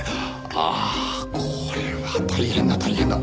ああこれは大変だ大変だ。